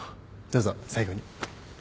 どうぞ最後に。